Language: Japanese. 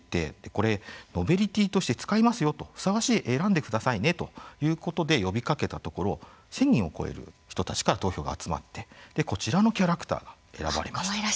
これ、ノベルティーとして使いますよとふさわしい絵、選んでくださいねということで呼びかけたところ１０００人を超える人たちから投票が集まって、こちらのキャラクター、選ばれました。